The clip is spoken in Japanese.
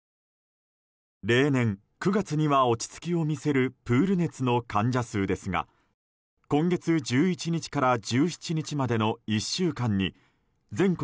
例年、９月には落ち着きを見せるプール熱の患者数ですが今月１１日から１７日までの１週間に全国